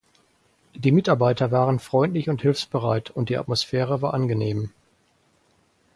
Die Mitarbeiter waren freundlich und hilfsbereit, und die Atmosphäre war angenehm.